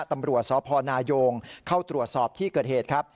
ตำรวจสพนายงเข้าตรวจสอบที่เกิดเหตุครับ